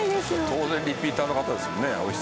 当然リピーターの方ですもんね。